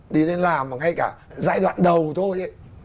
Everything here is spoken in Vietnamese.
đi đến làm mà ngay cả giai đoạn đầu thôi